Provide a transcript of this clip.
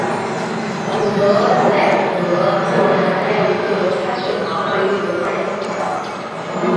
伍德塞德公园还有一个犹太会堂和一个犹太人学校。